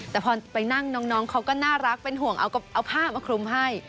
แต่พอไปนั่งน้องเขาก็น่ารักเป็นห่วงเอาผ้ามาคลุมให้